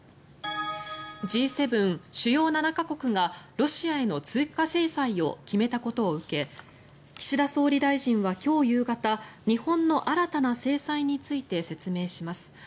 Ｇ７・主要７か国がロシアへの追加制裁を決めたことを受け岸田総理大臣は今日夕方日本の新たな制裁について説明します。